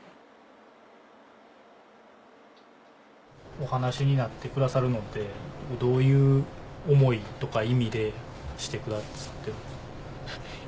お話になってくださるのってどういう思いとか意味でしてくださってるんですか？